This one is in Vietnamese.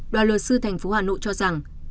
và luật sư tp hà nội cho rằng